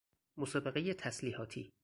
مسابقه تسلیحاتی